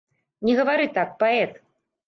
Не гавары так, паэт!